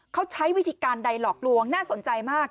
เขาใช้วิธีการใดหลอกลวงน่าสนใจมาก